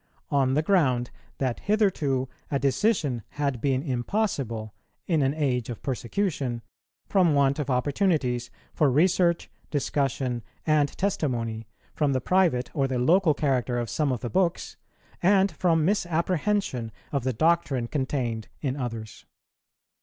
on the ground that hitherto a decision had been impossible, in an age of persecution, from want of opportunities for research, discussion, and testimony, from the private or the local character of some of the books, and from misapprehension of the doctrine contained in others.